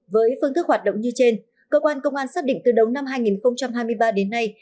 với phương thức hoạt động như trên cơ quan công an xác định từ đầu năm hai nghìn hai mươi ba đến nay